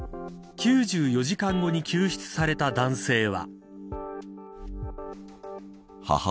９４時間後に救出された男性は。